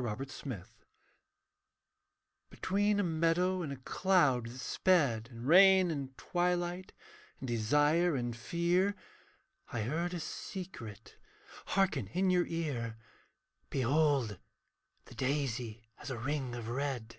GOOD NEWS Between a meadow and a cloud that sped In rain and twilight, in desire and fear. I heard a secret hearken in your ear, 'Behold the daisy has a ring of red.'